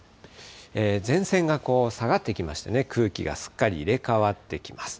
前線が下がってきましてね、空気がすっかり入れ代わってきます。